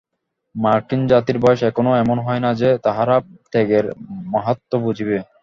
মার্কিন জাতির বয়স এখনও এমন হয় নাই যে, তাহারা ত্যাগের মাহাত্ম বুঝিবে।